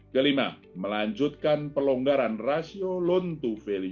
kelima melanjutkan pelonggaran rasio loan to value